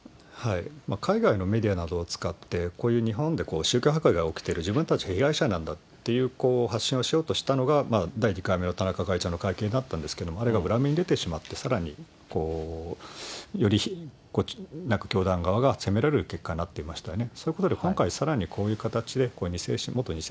海外のメディアなどを使って、こういう日本で宗教破壊が起きてる、自分たちが被害者なんだっていう発信をしようとしたのが、第２回目の田中会長の会見になったんですけれども、あれが裏目に出てしまって、さらにより教団側が責められる結果になっていましたよね。